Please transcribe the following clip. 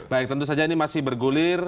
baik tentu saja ini masih bergulir